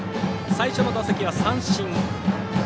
最初の打席は三振。